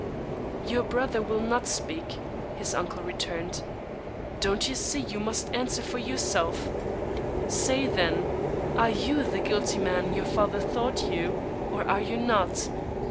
"Your brother will not speak," his uncle returned. "Don't you see you must answer for yourself? Say, then: Are you the guilty man your father thought you, or are you not?